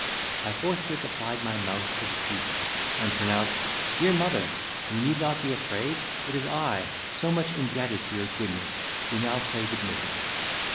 I forthwith applied my mouth to the keyhole, and pronounced, "Dear mother, you need not be afraid, it is I, so much indebted to your goodness, who now crave admittance."